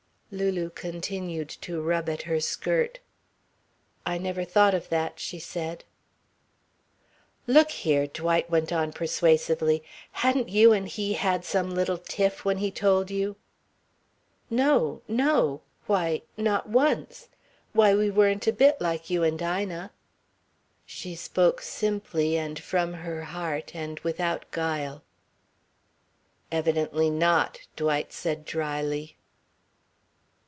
Lulu continued to rub at her skirt. "I never thought of that," she said. "Look here," Dwight went on persuasively, "hadn't you and he had some little tiff when he told you?" "No no! Why, not once. Why, we weren't a bit like you and Ina." She spoke simply and from her heart and without guile. "Evidently not," Dwight said drily.